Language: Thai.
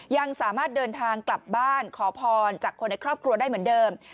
ยังสามารถเดินทางกลับบ้านขอพรจากคนในครอบครัวได้เหมือนเดิม